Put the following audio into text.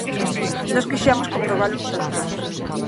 Nós quixemos comprobalo en Chantada.